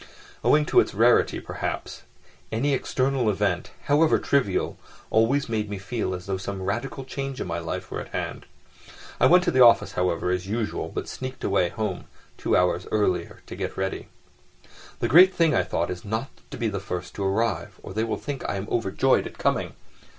Owing to its rarity, perhaps, any external event, however trivial, always made me feel as though some radical change in my life were at hand. I went to the office, however, as usual, but sneaked away home two hours earlier to get ready. The great thing, I thought, is not to be the first to arrive, or they will think I am overjoyed at coming.